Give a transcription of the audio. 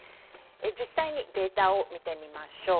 実際にデータを見てみましょう。